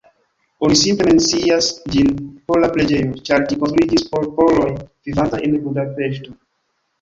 Oni simple mencias ĝin "pola preĝejo", ĉar ĝi konstruiĝis por poloj vivantaj en Budapeŝto.